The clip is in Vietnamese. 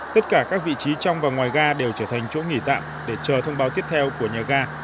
tất cả các vị trí trong và ngoài ga đều trở thành chỗ nghỉ tạm để chờ thông báo tiếp theo của nhà ga